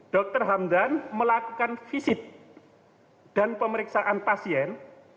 dr hamdan melakukan visit dan pemeriksaan pasien